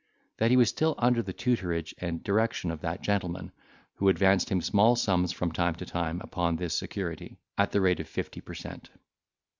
That he was still under the tutorage and direction of that gentleman, who advanced him small sums from time to time upon this security, at the rate of fifty per cent.